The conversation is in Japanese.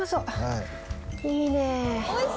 いいね。